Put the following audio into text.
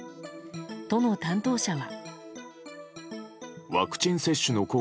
都の担当者は。